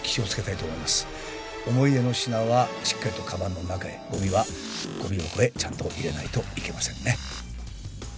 思い出の品はしっかりとかばんの中へゴミはゴミ箱へちゃんと入れないといけませんね。